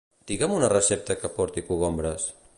Digue'm una recepta que porti cogombres?